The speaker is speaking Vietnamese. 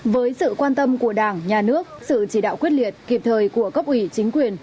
với sự quan tâm của đảng nhà nước sự chỉ đạo quyết liệt kịp thời của cấp ủy chính quyền